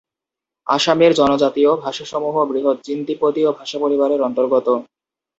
আসামের জনজাতীয় ভাষাসমূহ বৃহৎ চীন-তিব্বতীয় ভাষা পরিবারের অন্তর্গত।